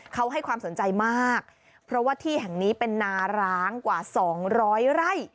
เขาให้ความสนใจมากเพราะว่าที่แห่งนี้เป็นนาร้างกว่าสองร้อยไร่